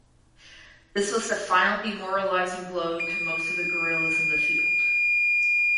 This was the final demoralizing blow to most of the guerrillas in the field.